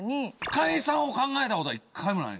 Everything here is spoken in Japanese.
解散を考えたことは一回もないですね。